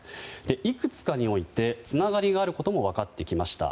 いくつかにおいて、つながりがあることも分かってきました。